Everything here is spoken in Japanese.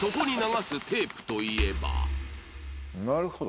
なるほど。